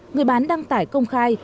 người bán đăng tải công khai